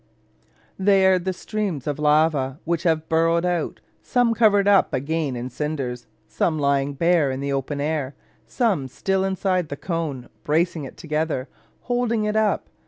They are the streams of lava which have burrowed out, some covered up again in cinders, some lying bare in the open air, some still inside the cone, bracing it together, holding it up.